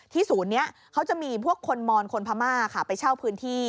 ศูนย์นี้เขาจะมีพวกคนมอนคนพม่าค่ะไปเช่าพื้นที่